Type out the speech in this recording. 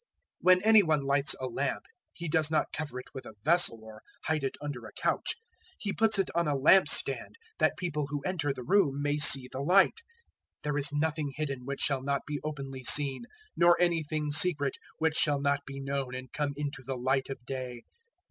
008:016 "When any one lights a lamp, he does not cover it with a vessel or hide it under a couch; he puts it on a lampstand, that people who enter the room may see the light. 008:017 There is nothing hidden, which shall not be openly seen; nor anything secret, which shall not be known and come into the light of day.